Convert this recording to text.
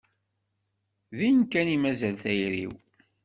Din kan i mazal tayri-w.